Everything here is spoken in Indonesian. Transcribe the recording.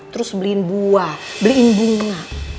terus beliin buah beliin bunga